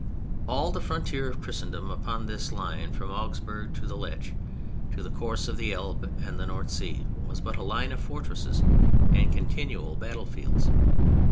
All the frontier of Christendom upon this line from Augsburg and the Lech to the course of the Elbe and the North Sea, was but a line of fortresses and continual battlefields.